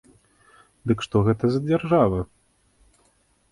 Дык што гэта за дзяржава?